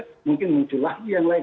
kemungkinan enak banget